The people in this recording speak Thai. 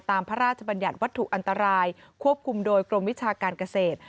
พระราชบัญญัติวัตถุอันตรายควบคุมโดยกรมวิชาการเกษตร